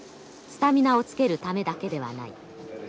スタミナをつけるためだけではない。